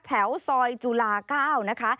แถวซอยจุฬา๙นะคะ